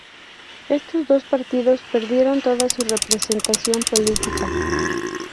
Estos dos partidos perdieron toda su representación política.